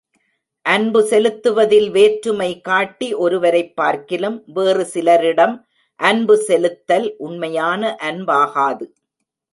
அன்பு செலுத்துவதில் வேற்றுமை காட்டி ஒரு வரைப் பார்க்கிலும் வேறு சிலரிடம் அன்பு செலுத்தல் உண்மையான அன்பாகாது.